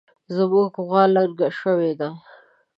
زمونږ غوا لنګه شوې ده